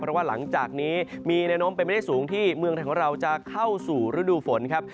เพราะว่าหลังจากนี้มีแนวโน้มเป็นไม่ได้สูงที่เมืองไทยของเราจะเข้าสู่ฤดูฝนครับ